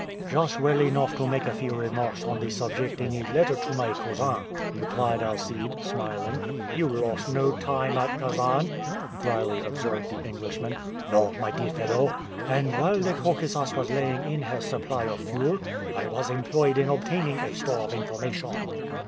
"Just well enough to make a few remarks on the subject in a letter to my cousin," replied Alcide, smiling. "You lost no time at Kasan," dryly observed the Englishman. "No, my dear fellow! and while the Caucasus was laying in her supply of fuel, I was employed in obtaining a store of information."